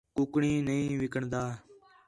کُکڑیں نہیں وکݨدا